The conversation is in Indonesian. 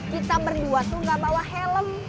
kita berdua tuh ga bawa helm